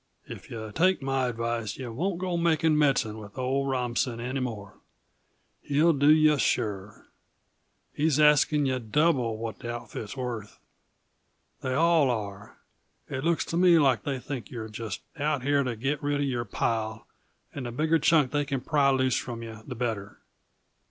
If yuh take my advice yuh won't go making medicine with old Robinson any more. He'll do yuh, sure. He's asking yuh double what the outfit's worth. They all are. It looks to me like they think you're just out here to get rid of your pile and the bigger chunk they can pry loose from yuh the better.